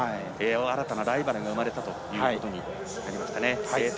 新たなライバルが生まれたということになりました。